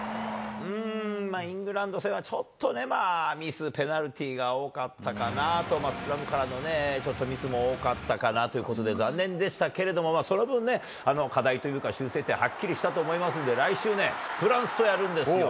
イングランド戦はちょっとね、ミス、ペナルティーが多かったかなと、スクラムからのね、ちょっとミスも多かったかな？ということで、残念でしたけれども、まあ、その分、課題というか、修正点、はっきりしたと思いますんで、来週ね、フランスとやるんですよ。